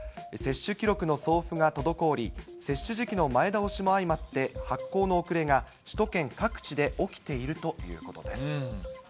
接種記録の送付が滞り、接種時期の前倒しも相まって、発行の遅れが、首都圏各地で起きているということです。